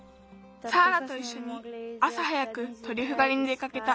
サーラといっしょにあさ早くトリュフがりに出かけた。